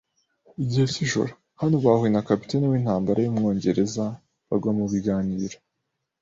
igice cy'ijoro. Hano bahuye na capitaine wintambara yumwongereza, bagwa mubiganiro